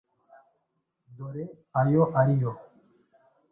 Dore ayo ari yo